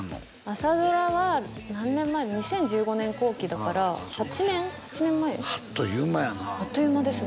朝ドラは何年前２０１５年後期だから８年８年前あっという間やなあっという間です